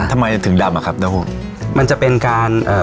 ทำไมถึงดำอ่ะครับแล้วผมมันจะเป็นการเอ่อ